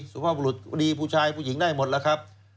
สุภาพบุรุษดีผู้ชายผู้หญิงได้หมดแล้วครับ